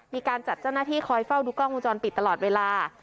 มีการจัดเจ้าหน้าที่คอยเฝ้าดูกล้องวงจรปิดตลอดเวลา